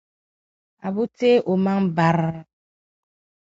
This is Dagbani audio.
Abu teei o maŋa bar.